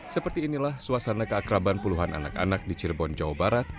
seperti inilah suasana keakraban puluhan anak anak di cirebon jawa barat